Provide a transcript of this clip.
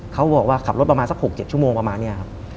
เขาบอกว่าขับรถประมาณสัก๖๗ชั่วโมงประมาณนี้ครับ